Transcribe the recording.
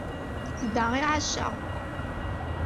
Da i εaceɣ.